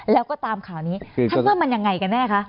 แล้วก็ตามข่าวนี้ท่านว่ามันยังไงกันแน่คะ